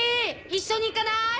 一緒に行かない？